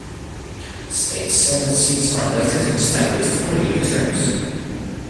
State Senate seats are elected in staggered four-year terms.